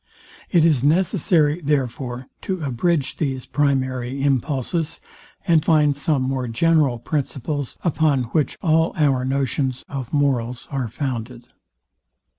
It is necessary, therefore, to abridge these primary impulses, and find some more general principles, upon which all our notions of morals are founded.